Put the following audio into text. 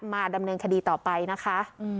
มาดำเนินคดีต่อไปนะคะ